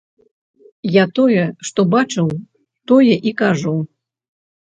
Я тое, што бачыў, тое і кажу.